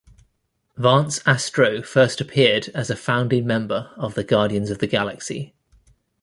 Vance Astro first appeared as a founding member of the Guardians of the Galaxy.